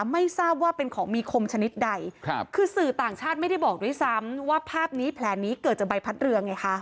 ไม่ทราบว่าเป็นของมีคมชนิดใดคือสื่อต่างชาติไม่ได้บอกด้วยซ้ำว่าภาพนี้แผลนี้เกิดจากใบพัดเรือไงคะ